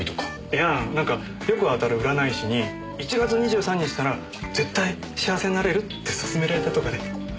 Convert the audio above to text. いやあなんかよく当たる占い師に１月２３日なら絶対に幸せになれるって勧められたとかで。